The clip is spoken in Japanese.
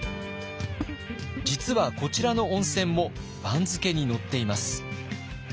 実はこちらの温泉も番付に載っています。